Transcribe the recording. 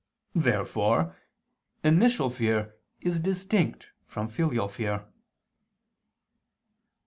Therefore initial fear is distinct from filial fear.